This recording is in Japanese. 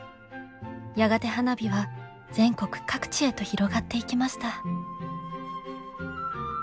やがて花火は全国各地へと広がっていきました。